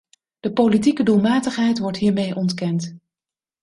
De politieke doelmatigheid wordt hiermee ontkend.